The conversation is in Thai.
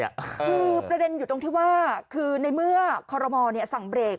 คือประเด็นอยู่ตรงที่ว่าคือในเมื่อคอรมอลสั่งเบรก